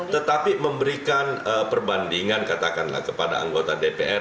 tetapi memberikan perbandingan katakanlah kepada anggota dpr